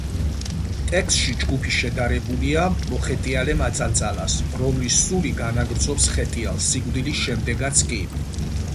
ტექსტში ჯგუფი შედარებულია მოხეტიალე მაწანწალას, რომლის სული განაგრძობს ხეტიალს სიკვდილის შემდეგაც კი.